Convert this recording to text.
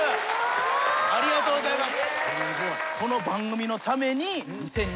ありがとうございます。